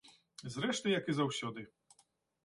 Зрэшты як і заўсёды.